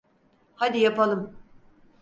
Hadi yapalım.